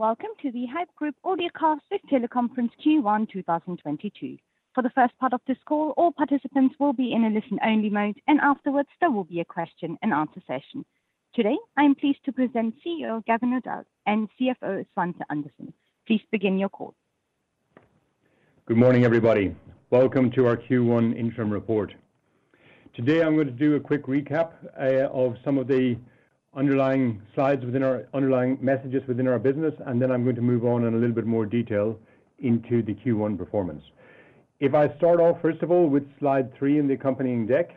Welcome to the Haypp Group Audio Cast Teleconference Q1 2022. For the first part of this call, all participants will be in a listen-only mode, and afterwards, there will be a question-and-answer session. Today, I am pleased to present CEO Gavin O'Dowd and CFO Svante Andersson. Please begin your call. Good morning, everybody. Welcome to our Q1 interim report. Today, I'm going to do a quick recap of some of the underlying messages within our business, and then I'm going to move on in a little bit more detail into the Q1 performance. If I start off, first of all, with slide three in the accompanying deck,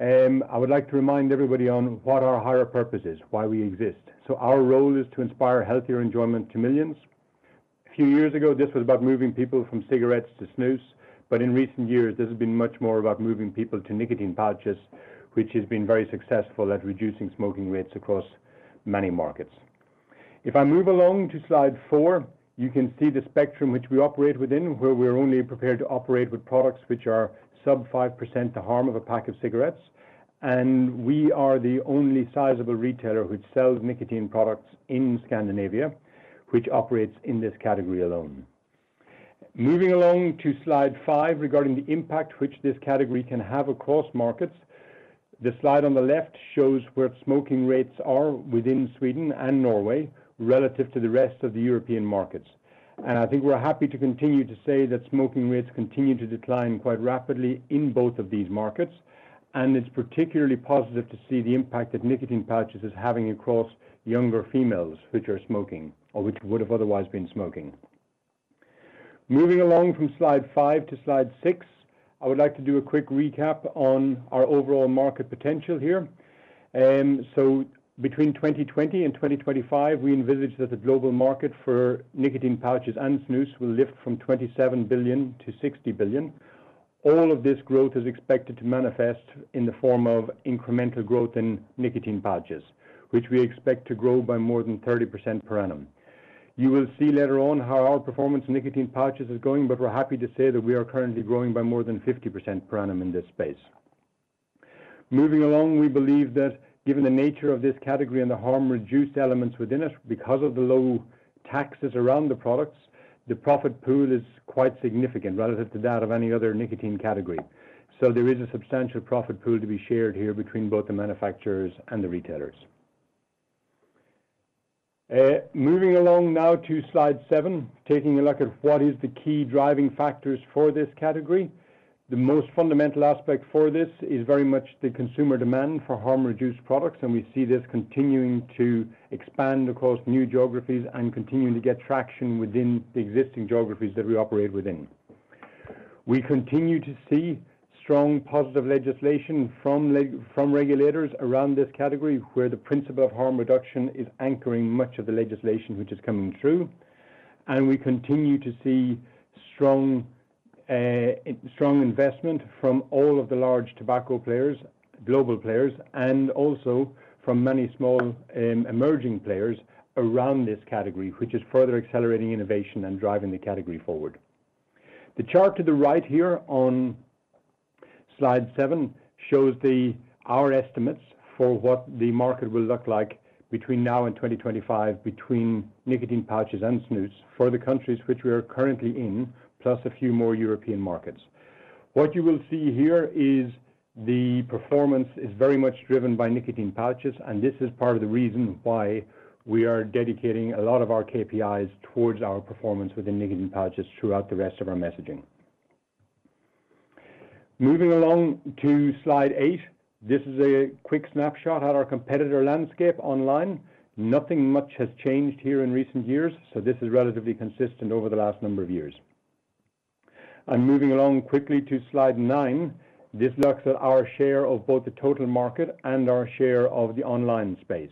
I would like to remind everybody on what our higher purpose is, why we exist. Our role is to inspire healthier enjoyment to millions. A few years ago, this was about moving people from cigarettes to snus, but in recent years, this has been much more about moving people to nicotine pouches, which has been very successful at reducing smoking rates across many markets. If I move along to slide four, you can see the spectrum which we operate within, where we're only prepared to operate with products which are sub 5% the harm of a pack of cigarettes. We are the only sizable retailer who sells nicotine products in Scandinavia, which operates in this category alone. Moving along to slide five regarding the impact which this category can have across markets. The slide on the left shows where smoking rates are within Sweden and Norway relative to the rest of the European markets. I think we're happy to continue to say that smoking rates continue to decline quite rapidly in both of these markets, and it's particularly positive to see the impact that nicotine pouches is having across younger females which are smoking or which would have otherwise been smoking. Moving along from slide five to slide six, I would like to do a quick recap on our overall market potential here. Between 2020 and 2025, we envisage that the global market for nicotine pouches and snus will lift from 27 billion-60 billion. All of this growth is expected to manifest in the form of incremental growth in nicotine pouches, which we expect to grow by more than 30% per annum. You will see later on how our performance in nicotine pouches is going, but we're happy to say that we are currently growing by more than 50% per annum in this space. Moving along, we believe that given the nature of this category and the harm-reduced elements within it, because of the low taxes around the products, the profit pool is quite significant relative to that of any other nicotine category. There is a substantial profit pool to be shared here between both the manufacturers and the retailers. Moving along now to slide seven, taking a look at what is the key driving factors for this category. The most fundamental aspect for this is very much the consumer demand for harm-reduced products, and we see this continuing to expand across new geographies and continuing to get traction within the existing geographies that we operate within. We continue to see strong positive legislation from regulators around this category, where the principle of harm reduction is anchoring much of the legislation which is coming through. We continue to see strong investment from all of the large tobacco players, global players, and also from many small, emerging players around this category, which is further accelerating innovation and driving the category forward. The chart to the right here on slide seven shows our estimates for what the market will look like between now and 2025 between nicotine pouches and snus for the countries which we are currently in, plus a few more European markets. What you will see here is the performance is very much driven by nicotine pouches, and this is part of the reason why we are dedicating a lot of our KPIs towards our performance within nicotine pouches throughout the rest of our messaging. Moving along to slide eight. This is a quick snapshot at our competitor landscape online. Nothing much has changed here in recent years, so this is relatively consistent over the last number of years. Moving along quickly to slide nine, this looks at our share of both the total market and our share of the online space.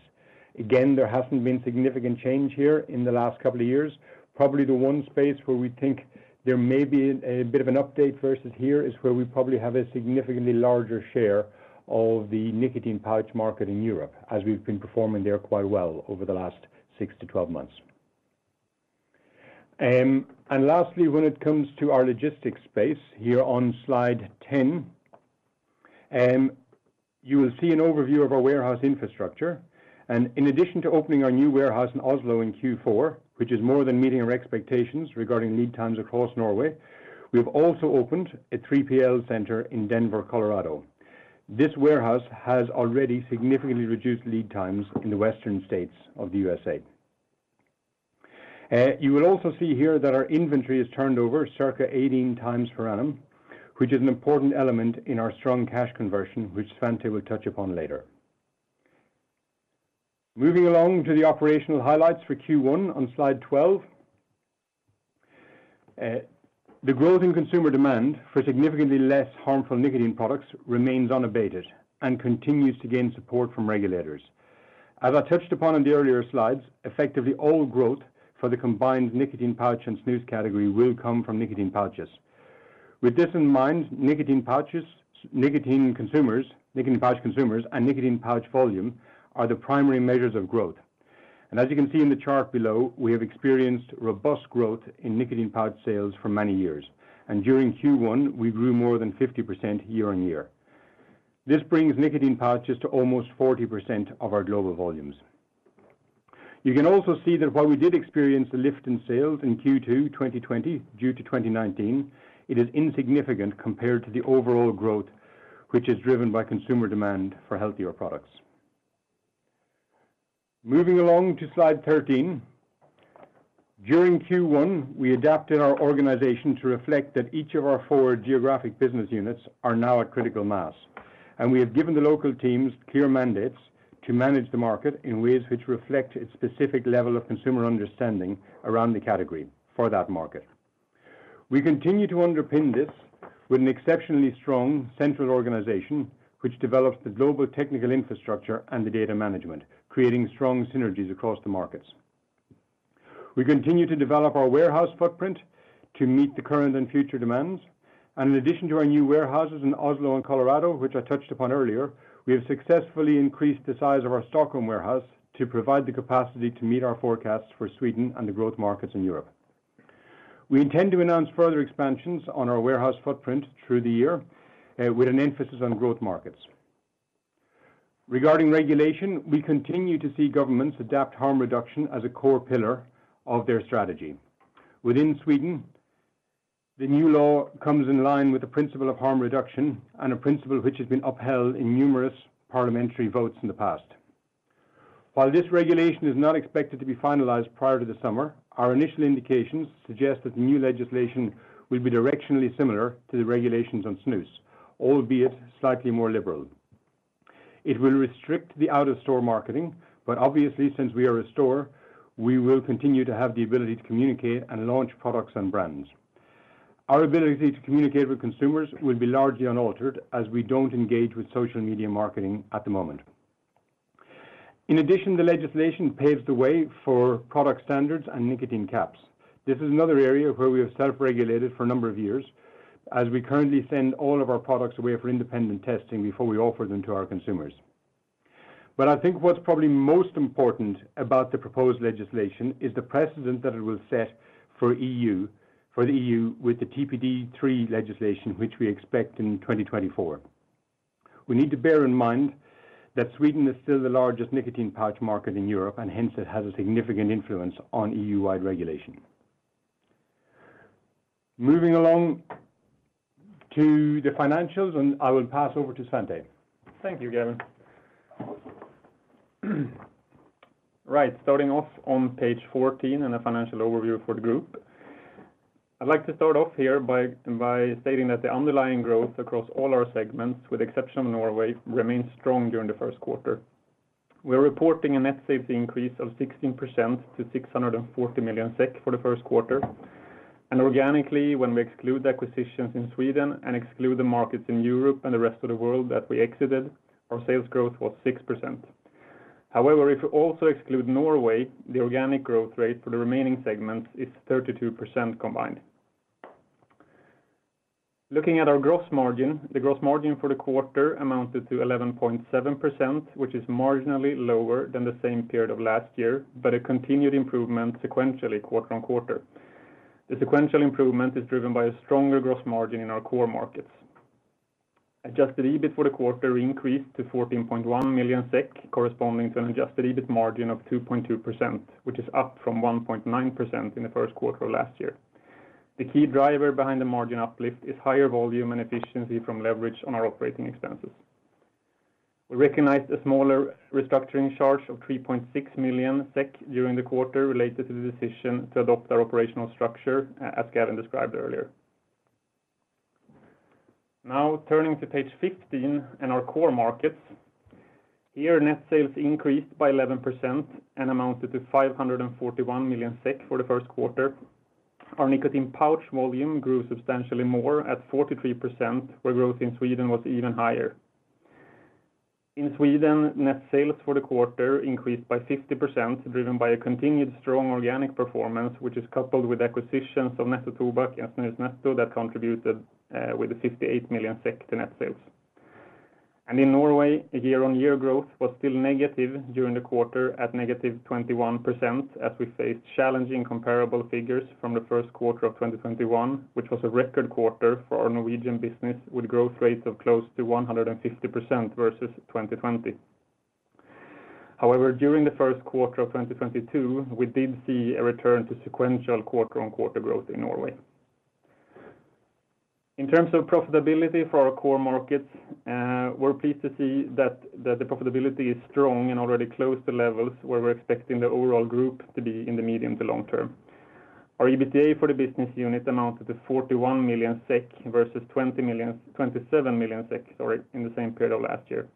Again, there hasn't been significant change here in the last couple of years. Probably the one space where we think there may be a bit of an update versus here is where we probably have a significantly larger share of the nicotine pouch market in Europe, as we've been performing there quite well over the last 6 to 12 months. Lastly, when it comes to our logistics space here on slide ten, you will see an overview of our warehouse infrastructure. In addition to opening our new warehouse in Oslo in Q4, which is more than meeting our expectations regarding lead times across Norway, we have also opened a 3PL center in Denver, Colorado. This warehouse has already significantly reduced lead times in the Western states of the USA. You will also see here that our inventory is turned over circa 18 times per annum, which is an important element in our strong cash conversion, which Svante will touch upon later. Moving along to the operational highlights for Q1 on slide twelve. The growth in consumer demand for significantly less harmful nicotine products remains unabated and continues to gain support from regulators. As I touched upon in the earlier slides, effectively all growth for the combined nicotine pouch and snus category will come from nicotine pouches. With this in mind, nicotine pouches, nicotine consumers, nicotine pouch consumers, and nicotine pouch volume are the primary measures of growth. As you can see in the chart below, we have experienced robust growth in nicotine pouch sales for many years. During Q1, we grew more than 50% year-on-year. This brings nicotine pouches to almost 40% of our global volumes. You can also see that while we did experience a lift in sales in Q2 2020 due to 2019, it is insignificant compared to the overall growth, which is driven by consumer demand for healthier products. Moving along to slide 13. During Q1, we adapted our organization to reflect that each of our four geographic business units are now at critical mass, and we have given the local teams clear mandates to manage the market in ways which reflect its specific level of consumer understanding around the category for that market. We continue to underpin this with an exceptionally strong central organization which develops the global technical infrastructure and the data management, creating strong synergies across the markets. We continue to develop our warehouse footprint to meet the current and future demands, and in addition to our new warehouses in Oslo and Colorado, which I touched upon earlier, we have successfully increased the size of our Stockholm warehouse to provide the capacity to meet our forecasts for Sweden and the growth markets in Europe. We intend to announce further expansions on our warehouse footprint through the year, with an emphasis on growth markets. Regarding regulation, we continue to see governments adapt harm reduction as a core pillar of their strategy. Within Sweden, the new law comes in line with the principle of harm reduction and a principle which has been upheld in numerous parliamentary votes in the past. While this regulation is not expected to be finalized prior to the summer, our initial indications suggest that the new legislation will be directionally similar to the regulations on snus, albeit slightly more liberal. It will restrict the out-of-store marketing, but obviously, since we are a store, we will continue to have the ability to communicate and launch products and brands. Our ability to communicate with consumers will be largely unaltered, as we don't engage with social media marketing at the moment. In addition, the legislation paves the way for product standards and nicotine caps. This is another area where we have self-regulated for a number of years, as we currently send all of our products away for independent testing before we offer them to our consumers. I think what's probably most important about the proposed legislation is the precedent that it will set for the EU with the TPD3 legislation, which we expect in 2024. We need to bear in mind that Sweden is still the largest nicotine pouch market in Europe, and hence it has a significant influence on EU-wide regulation. Moving along to the financials, and I will pass over to Svante. Thank you, Gavin. Right, starting off on page 14 in the financial overview for the group. I'd like to start off here by stating that the underlying growth across all our segments, with the exception of Norway, remained strong during the first quarter. We're reporting a net sales increase of 16% to 640 million SEK for the first quarter. Organically, when we exclude acquisitions in Sweden and exclude the markets in Europe and the rest of the world that we exited, our sales growth was 6%. However, if we also exclude Norway, the organic growth rate for the remaining segments is 32% combined. Looking at our gross margin, the gross margin for the quarter amounted to 11.7%, which is marginally lower than the same period of last year, but a continued improvement sequentially quarter-over-quarter. The sequential improvement is driven by a stronger gross margin in our core markets. Adjusted EBIT for the quarter increased to 14.1 million SEK, corresponding to an adjusted EBIT margin of 2.2%, which is up from 1.9% in the first quarter of last year. The key driver behind the margin uplift is higher volume and efficiency from leverage on our operating expenses. We recognized a smaller restructuring charge of 3.6 million SEK during the quarter related to the decision to adopt our operational structure, as Gavin described earlier. Now turning to page 15 and our core markets. Here, net sales increased by 11% and amounted to 541 million SEK for the first quarter. Our nicotine pouch volume grew substantially more at 43%, where growth in Sweden was even higher. In Sweden, net sales for the quarter increased by 50%, driven by a continued strong organic performance, which is coupled with acquisitions of Nettotobak and Snusnetto that contributed with the 58 million SEK to net sales. In Norway, year-on-year growth was still negative during the quarter at -21% as we faced challenging comparable figures from the first quarter of 2021, which was a record quarter for our Norwegian business with growth rates of close to 150% versus 2020. However, during the first quarter of 2022, we did see a return to sequential quarter-on-quarter growth in Norway. In terms of profitability for our core markets, we're pleased to see that the profitability is strong and already close to levels where we're expecting the overall group to be in the medium to long term. Our EBITDA for the business unit amounted to 41 million SEK versus 20 million - 27 million SEK, sorry, in the same period of last year.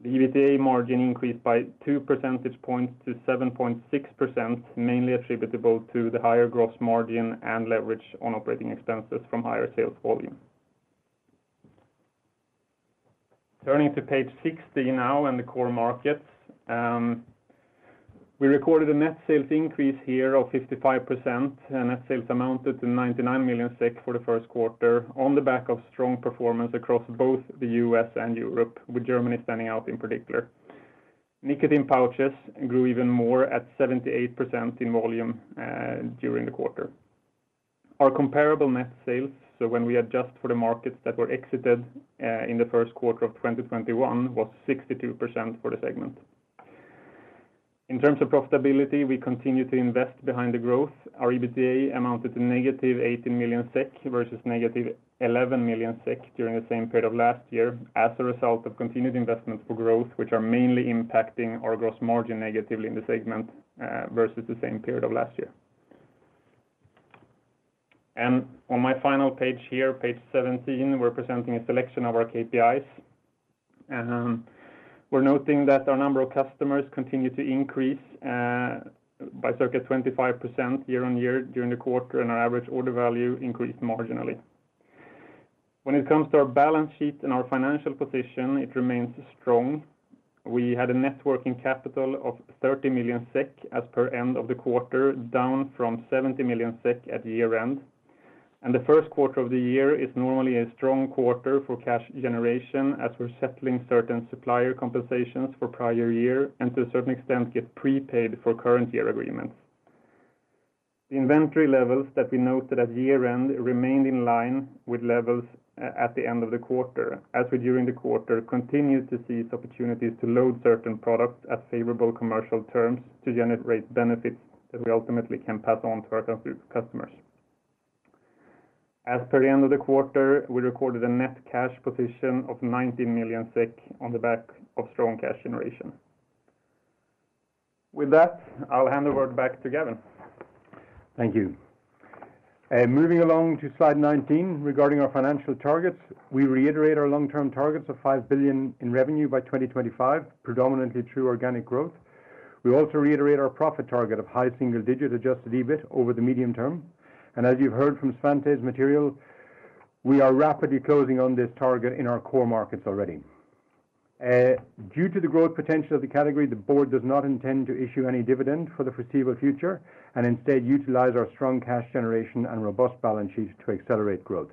The EBITDA margin increased by two percentage points to 7.6%, mainly attributable to the higher gross margin and leverage on operating expenses from higher sales volume. Turning to page 16 now and the core markets. We recorded a net sales increase here of 55%, and net sales amounted to 99 million SEK for the first quarter on the back of strong performance across both the U.S. and Europe, with Germany standing out in particular. Nicotine pouches grew even more at 78% in volume during the quarter. Our comparable net sales, so when we adjust for the markets that were exited in the first quarter of 2021, was 62% for the segment. In terms of profitability, we continue to invest behind the growth. Our EBITDA amounted to -80 million SEK versus -11 million SEK during the same period of last year as a result of continued investments for growth, which are mainly impacting our gross margin negatively in the segment versus the same period of last year. On my final page here, page 17, we're presenting a selection of our KPIs. We're noting that our number of customers continue to increase by circa 25% year-on-year during the quarter, and our average order value increased marginally. When it comes to our balance sheet and our financial position, it remains strong. We had a net working capital of 30 million SEK as per end of the quarter, down from 70 million SEK at year-end. The first quarter of the year is normally a strong quarter for cash generation, as we're settling certain supplier compensations for prior year and to a certain extent, get prepaid for current year agreements. The inventory levels that we noted at year-end remained in line with levels at the end of the quarter, as we, during the quarter, continued to seize opportunities to load certain products at favorable commercial terms to generate benefits that we ultimately can pass on to our customers. As per the end of the quarter, we recorded a net cash position of 90 million SEK on the back of strong cash generation. With that, I'll hand over back to Gavin. Thank you. Moving along to slide 19, regarding our financial targets, we reiterate our long-term targets of 5 billion in revenue by 2025, predominantly through organic growth. We also reiterate our profit target of high single-digit adjusted EBIT over the medium term. As you've heard from Svante's material, we are rapidly closing on this target in our core markets already. Due to the growth potential of the category, the board does not intend to issue any dividend for the foreseeable future, and instead utilize our strong cash generation and robust balance sheet to accelerate growth.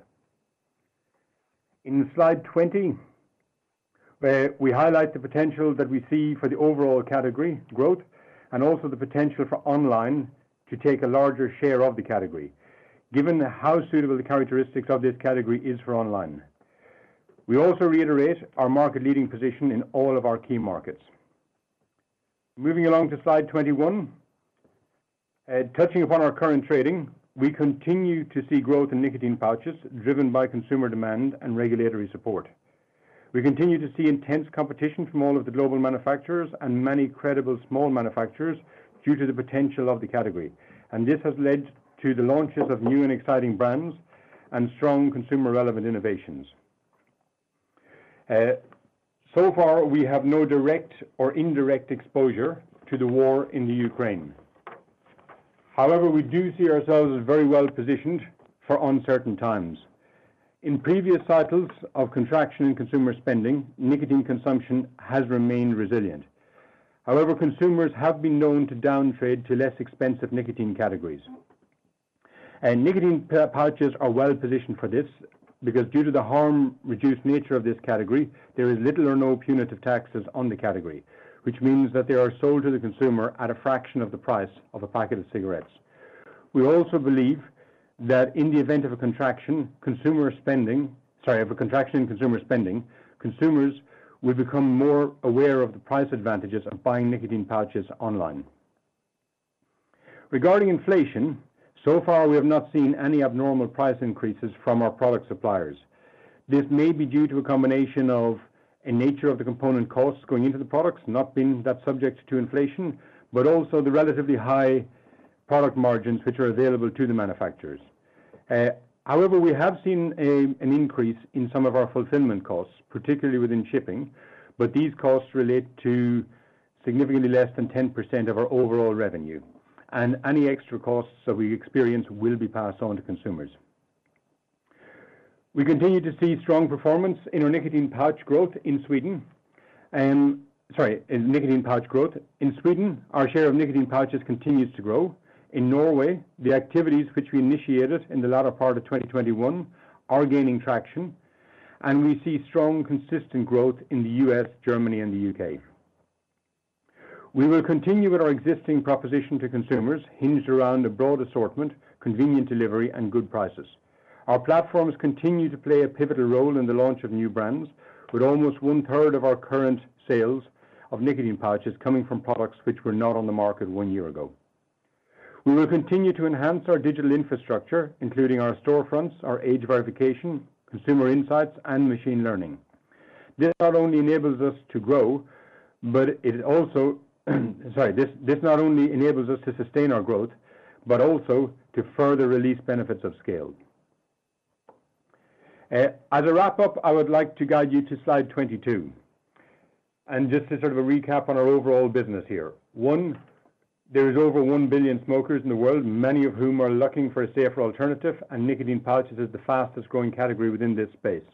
In slide 20, we highlight the potential that we see for the overall category growth and also the potential for online to take a larger share of the category, given how suitable the characteristics of this category is for online. We also reiterate our market-leading position in all of our key markets. Moving along to slide 21, touching upon our current trading, we continue to see growth in nicotine pouches driven by consumer demand and regulatory support. We continue to see intense competition from all of the global manufacturers and many credible small manufacturers due to the potential of the category. This has led to the launches of new and exciting brands and strong consumer-relevant innovations. So far, we have no direct or indirect exposure to the war in Ukraine. However, we do see ourselves as very well-positioned for uncertain times. In previous cycles of contraction in consumer spending, nicotine consumption has remained resilient. However, consumers have been known to downtrade to less expensive nicotine categories. Nicotine pouches are well-positioned for this because due to the harm-reduced nature of this category, there is little or no punitive taxes on the category, which means that they are sold to the consumer at a fraction of the price of a packet of cigarettes. We also believe that in the event of a contraction in consumer spending, consumers will become more aware of the price advantages of buying nicotine pouches online. Regarding inflation, so far, we have not seen any abnormal price increases from our product suppliers. This may be due to a combination of a nature of the component costs going into the products not being that subject to inflation, but also the relatively high product margins which are available to the manufacturers. However, we have seen an increase in some of our fulfillment costs, particularly within shipping, but these costs relate to significantly less than 10% of our overall revenue, and any extra costs that we experience will be passed on to consumers. We continue to see strong performance in our nicotine pouch growth. In Sweden, our share of nicotine pouches continues to grow. In Norway, the activities which we initiated in the latter part of 2021 are gaining traction, and we see strong, consistent growth in the U.S., Germany, and the U.K. We will continue with our existing proposition to consumers, hinged around a broad assortment, convenient delivery, and good prices. Our platforms continue to play a pivotal role in the launch of new brands, with almost 1/3 of our current sales of nicotine pouches coming from products which were not on the market one year ago. We will continue to enhance our digital infrastructure, including our storefronts, our age verification, consumer insights, and machine learning. This not only enables us to sustain our growth, but also to further realize benefits of scale. As a wrap-up, I would like to guide you to slide 22. Just to sort of a recap on our overall business here. One, there is over 1 billion smokers in the world, many of whom are looking for a safer alternative, and nicotine pouches is the fastest-growing category within this space.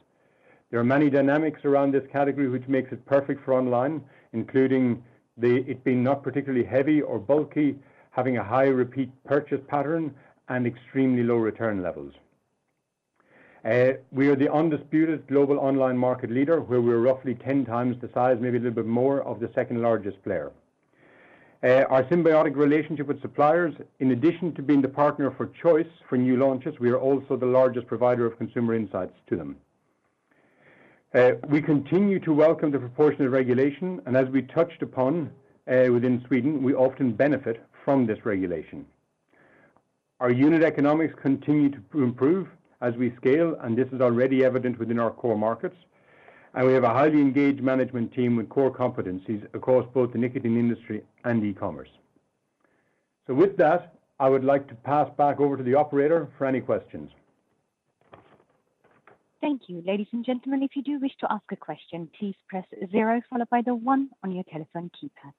There are many dynamics around this category which makes it perfect for online, including it being not particularly heavy or bulky, having a high repeat purchase pattern, and extremely low return levels. We are the undisputed global online market leader, where we're roughly 10 times the size, maybe a little bit more, of the second-largest player. Our symbiotic relationship with suppliers, in addition to being the partner for choice for new launches, we are also the largest provider of consumer insights to them. We continue to welcome the proportionate regulation, and as we touched upon, within Sweden, we often benefit from this regulation. Our unit economics continue to improve as we scale, and this is already evident within our core markets. We have a highly engaged management team with core competencies across both the nicotine industry and e-commerce. With that, I would like to pass back over to the operator for any questions. Thank you. Ladies and gentlemen, if you do wish to ask a question, please press zero followed by the one on your telephone keypad.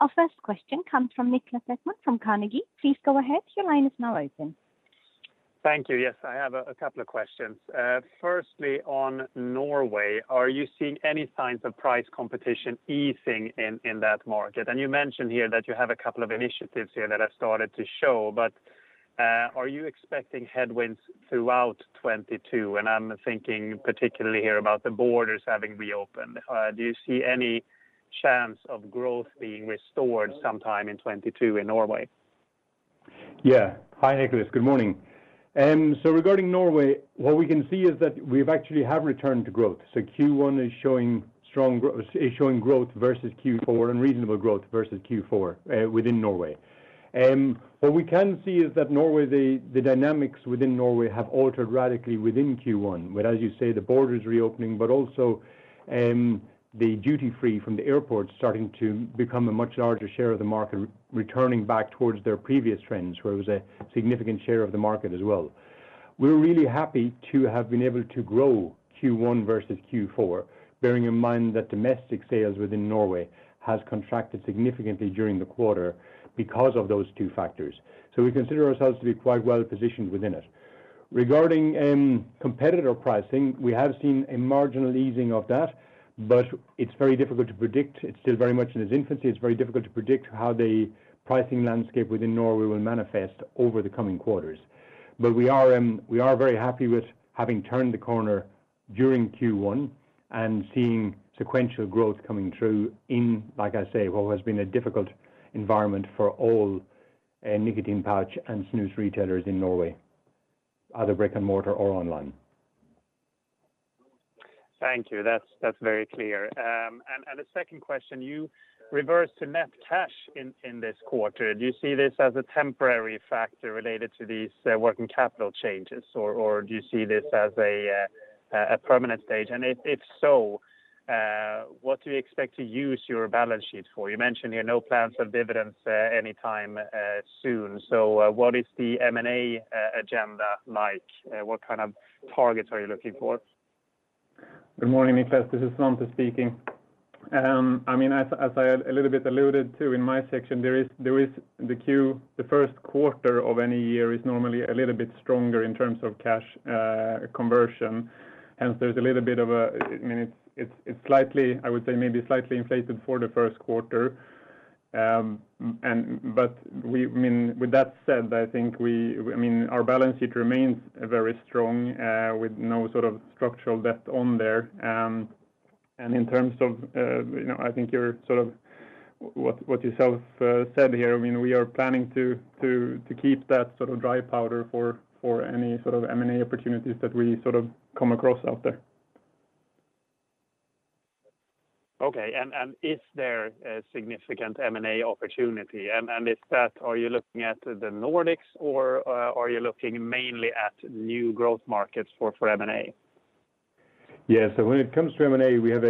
Our first question comes from Niklas Ekman from Carnegie. Please go ahead. Your line is now open. Thank you. Yes, I have a couple of questions. Firstly, on Norway, are you seeing any signs of price competition easing in that market? You mentioned here that you have a couple of initiatives here that have started to show, but are you expecting headwinds throughout 2022? I'm thinking particularly here about the borders having reopened. Do you see any chance of growth being restored sometime in 2022 in Norway? Yeah. Hi, Niklas. Good morning. Regarding Norway, what we can see is that we've actually returned to growth. Q1 is showing growth versus Q4 and reasonable growth versus Q4 within Norway. What we can see is that Norway, the dynamics within Norway have altered radically within Q1. With, as you say, the borders reopening, but also, the duty-free from the airport starting to become a much larger share of the market, returning back towards their previous trends, where it was a significant share of the market as well. We're really happy to have been able to grow Q1 versus Q4, bearing in mind that domestic sales within Norway has contracted significantly during the quarter because of those two factors. We consider ourselves to be quite well positioned within it. Regarding competitor pricing, we have seen a marginal easing of that, but it's very difficult to predict. It's still very much in its infancy. It's very difficult to predict how the pricing landscape within Norway will manifest over the coming quarters. We are very happy with having turned the corner during Q1 and seeing sequential growth coming through in, like I say, what has been a difficult environment for all nicotine pouch and snus retailers in Norway, either brick-and-mortar or online. Thank you. That's very clear. A second question: You returned to net cash in this quarter. Do you see this as a temporary factor related to these working capital changes? Or do you see this as a permanent stage? If so, what do you expect to use your balance sheet for? You mentioned here no plans of dividends anytime soon. What is the M&A agenda like? What kind of targets are you looking for? Good morning, Niklas. This is Svante speaking. I mean, as I a little bit alluded to in my section, there is the first quarter of any year is normally a little bit stronger in terms of cash conversion. Hence, there's a little bit of a, I mean, it's slightly, I would say, maybe slightly inflated for the first quarter. We, I mean, with that said, I think we, I mean, our balance sheet remains very strong, with no sort of structural debt on there. In terms of, you know, I think you're sort of what yourself said here, I mean, we are planning to keep that sort of dry powder for any sort of M&A opportunities that we sort of come across out there. Okay. Is there a significant M&A opportunity? Are you looking at the Nordics or mainly at new growth markets for M&A? Yeah. When it comes to M&A, we have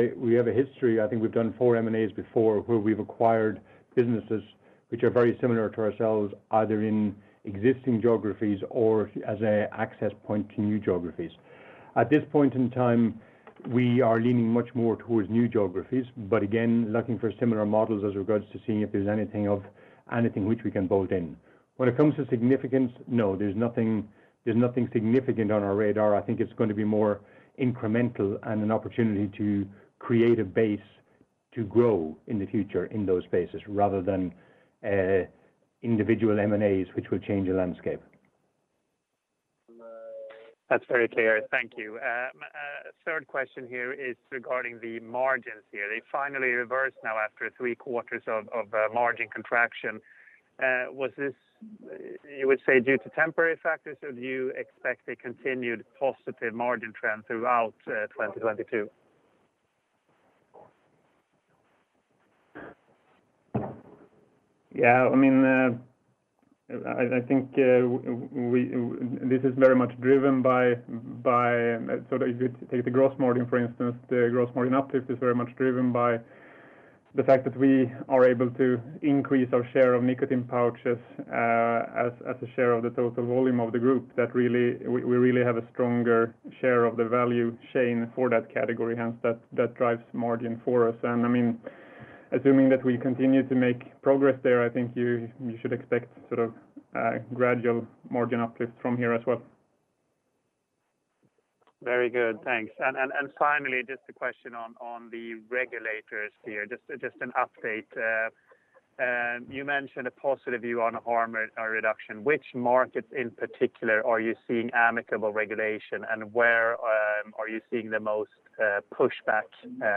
a history. I think we've done 4 M&As before, where we've acquired businesses which are very similar to ourselves, either in existing geographies or as an access point to new geographies. At this point in time, we are leaning much more towards new geographies, but again, looking for similar models as regards to seeing if there's anything which we can bolt in. When it comes to significance, no, there's nothing significant on our radar. I think it's going to be more incremental and an opportunity to create a base to grow in the future in those spaces rather than individual M&As which will change the landscape. That's very clear. Thank you. Third question here is regarding the margins here. They finally reversed now after three quarters of margin contraction. Was this, you would say, due to temporary factors, or do you expect a continued positive margin trend throughout 2022? Yeah. I mean, I think this is very much driven by so if you take the gross margin, for instance, the gross margin uplift is very much driven by the fact that we are able to increase our share of nicotine pouches as a share of the total volume of the group. We really have a stronger share of the value chain for that category. Hence, that drives margin for us. I mean, assuming that we continue to make progress there, I think you should expect sort of gradual margin uplift from here as well. Very good. Thanks. Finally, just a question on the regulators here. Just an update. You mentioned a positive view on harm reduction. Which markets in particular are you seeing amicable regulation, and where are you seeing the most pushback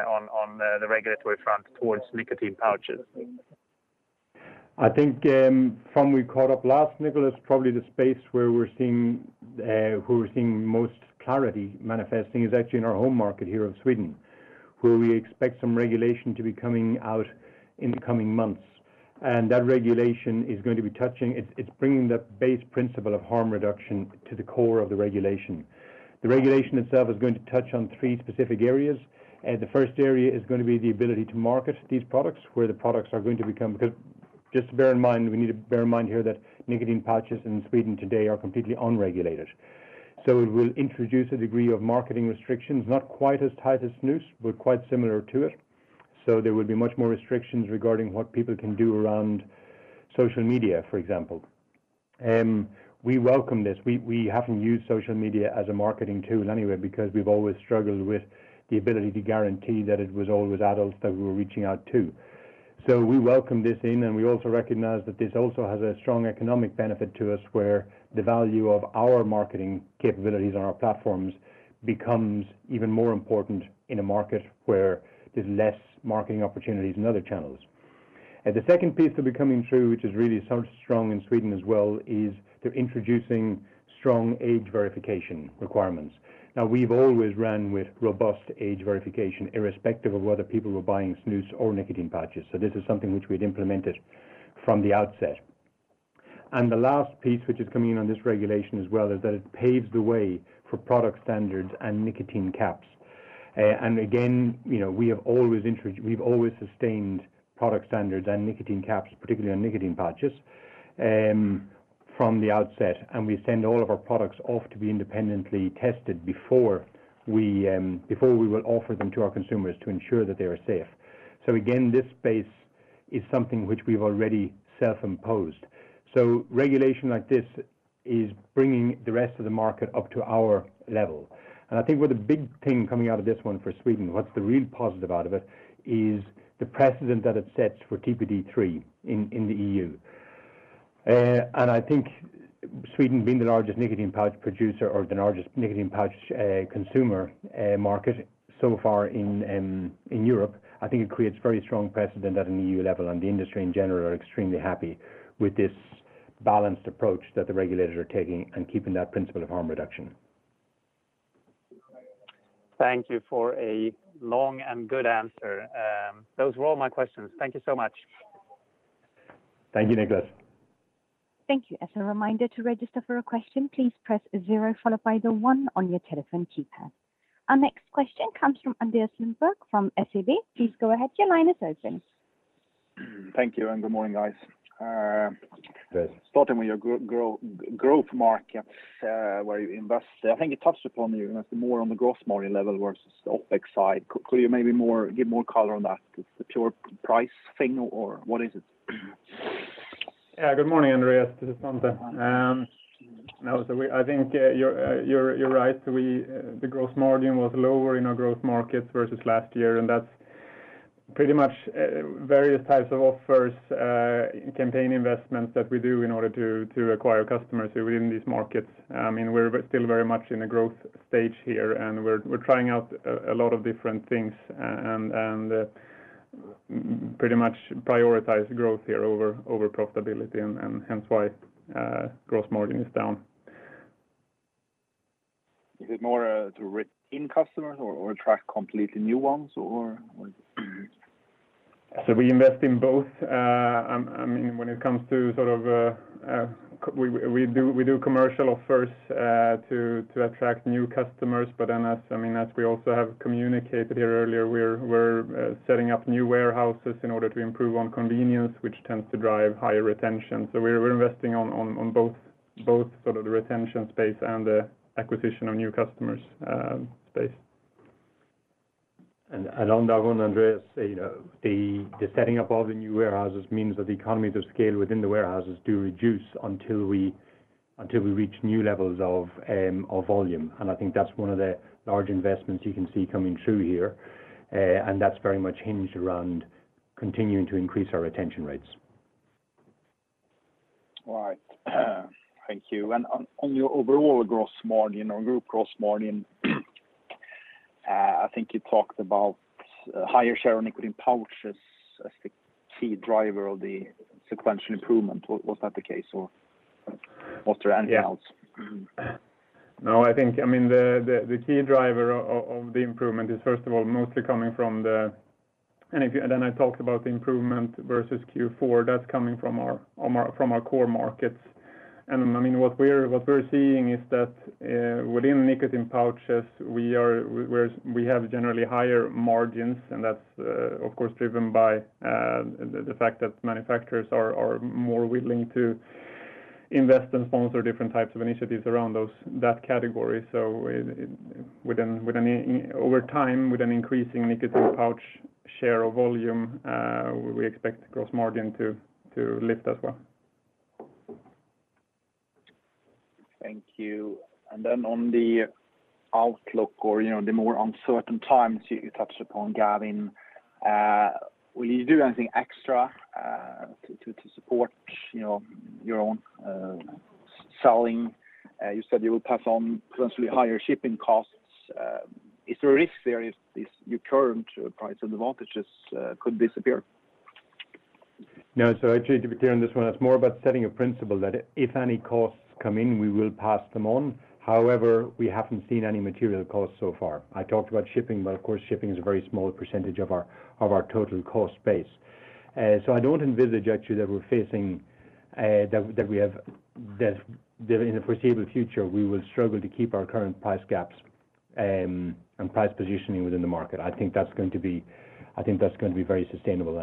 on the regulatory front towards nicotine pouches? I think from when we caught up last, Niklas, probably the space where we're seeing most clarity manifesting is actually in our home market here in Sweden, where we expect some regulation to be coming out in the coming months. That regulation. It's bringing the base principle of harm reduction to the core of the regulation. The regulation itself is going to touch on three specific areas. The first area is gonna be the ability to market these products. Just bear in mind, we need to bear in mind here that nicotine pouches in Sweden today are completely unregulated. It will introduce a degree of marketing restrictions, not quite as tight as snus, but quite similar to it. There will be much more restrictions regarding what people can do around social media, for example. We welcome this. We haven't used social media as a marketing tool anyway because we've always struggled with the ability to guarantee that it was always adults that we were reaching out to. We welcome this in, and we also recognize that this also has a strong economic benefit to us, where the value of our marketing capabilities on our platforms becomes even more important in a market where there's less marketing opportunities in other channels. The second piece that'll be coming through, which is really so strong in Sweden as well, is they're introducing strong age verification requirements. Now, we've always ran with robust age verification, irrespective of whether people were buying snus or nicotine pouches. This is something which we'd implemented from the outset. The last piece which is coming in on this regulation as well is that it paves the way for product standards and nicotine caps. Again, you know, we have always sustained product standards and nicotine caps, particularly on nicotine pouches, from the outset, and we send all of our products off to be independently tested before we will offer them to our consumers to ensure that they are safe. Again, this space is something which we've already self-imposed. Regulation like this is bringing the rest of the market up to our level. I think where the big thing coming out of this one for Sweden, what's the real positive out of it, is the precedent that it sets for TPD3 in the EU. I think Sweden being the largest nicotine pouch producer or the largest nicotine pouch consumer market so far in Europe. I think it creates very strong precedent at an EU level, and the industry in general are extremely happy with this balanced approach that the regulators are taking and keeping that principle of harm reduction. Thank you for a long and good answer. Those were all my questions. Thank you so much. Thank you, Niklas. Thank you. As a reminder, to register for a question, please press 0 followed by the 1 on your telephone keypad. Our next question comes from Andreas Lundberg from SEB. Please go ahead, your line is open. Thank you, and good morning, guys. Good. Starting with your growth markets, where you invest, I think it touched upon more on the gross margin level versus the OpEx side. Could you maybe give more color on that? Is it a pure price thing or what is it? Yeah, good morning, Andreas. This is Svante. I think you're right. The gross margin was lower in our growth markets versus last year, and that's pretty much various types of offers, campaign investments that we do in order to acquire customers who are in these markets. We're still very much in a growth stage here, and we're trying out a lot of different things and pretty much prioritize growth here over profitability and hence why gross margin is down. Is it more to retain customers or attract completely new ones, or what is it? We invest in both. I mean, when it comes to sort of, we do commercial offers to attract new customers. I mean, as we also have communicated here earlier, we're setting up new warehouses in order to improve on convenience, which tends to drive higher retention. We're investing on both sort of the retention space and the acquisition of new customers space. On that one, Andreas, you know, the setting up of the new warehouses means that the economies of scale within the warehouses do reduce until we reach new levels of volume. I think that's one of the large investments you can see coming through here. That's very much hinged around continuing to increase our retention rates. All right. Thank you. On your overall gross margin or group gross margin, I think you talked about higher share of nicotine pouches as the key driver of the sequential improvement. Was that the case, or was there anything else? No, I think. I mean, the key driver of the improvement is first of all mostly coming from the. Then I talked about the improvement versus Q4. That's coming from our core markets. I mean, what we're seeing is that within nicotine pouches, we have generally higher margins, and that's of course driven by the fact that manufacturers are more willing to invest and sponsor different types of initiatives around that category. Within over time, with an increasing nicotine pouch share of volume, we expect gross margin to lift as well. Thank you. On the outlook or, you know, the more uncertain times you touched upon, Gavin, will you do anything extra to support, you know, your own selling? You said you will pass on potentially higher shipping costs. Is there a risk there if this, your current price advantages, could disappear? No. Actually to be clear on this one, it's more about setting a principle that if any costs come in, we will pass them on. However, we haven't seen any material costs so far. I talked about shipping, but of course, shipping is a very small percentage of our total cost base. I don't envisage actually that in the foreseeable future, we will struggle to keep our current price gaps and price positioning within the market. I think that's going to be very sustainable.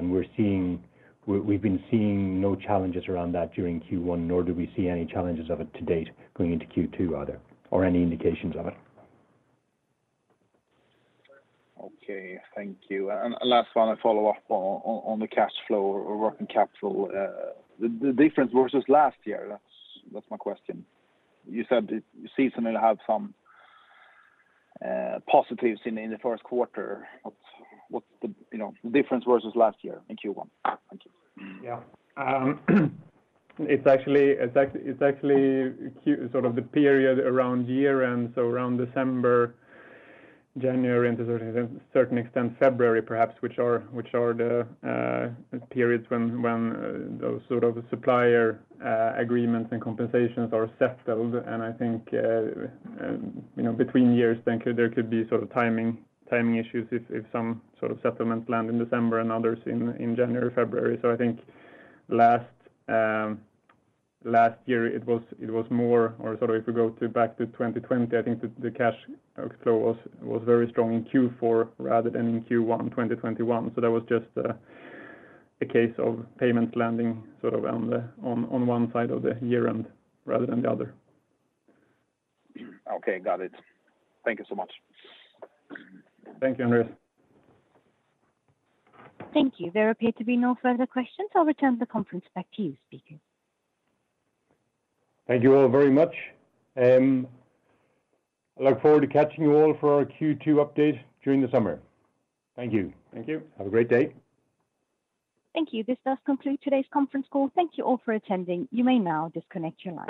We've been seeing no challenges around that during Q1, nor do we see any challenges of it to date going into Q2 either, or any indications of it. Okay. Thank you. Last one, a follow-up on the cash flow or working capital. The difference versus last year, that's my question. You said you seem to have some positives in the first quarter. What's the, you know, the difference versus last year in Q1? Thank you. Yeah. It's actually sort of the period around year end, so around December, January, and to a certain extent February perhaps, which are the periods when those sort of supplier agreements and compensations are settled. I think you know, between years, there could be sort of timing issues if some sort of settlement lands in December and others in January, February. I think last year it was more, or sort of if we go back to 2020, I think the cash flow was very strong in Q4 rather than in Q1 2021. That was just a case of payment landing sort of on one side of the year-end rather than the other. Okay. Got it. Thank you so much. Thank you, Andreas. Thank you. There appear to be no further questions. I'll return the conference back to you, speakers. Thank you all very much. I look forward to catching you all for our Q2 update during the summer. Thank you. Thank you. Have a great day. Thank you. This does conclude today's conference call. Thank you all for attending. You may now disconnect your lines.